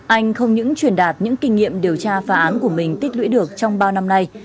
anh không những truyền đạt những kinh nghiệm điều tra phá án của mình tích lũy được trong bao năm nay